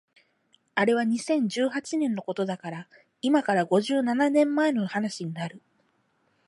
あれは二千十八年のことだから今から五十七年前の話になる